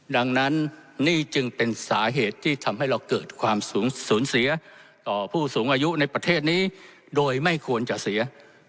ดังนั้นนี่จึงเป็นสาเหตุที่ทำให้เราเกิดความสูญเสียต่อผู้สูงอายุในประเทศนี้โดยไม่ควรจะเสีย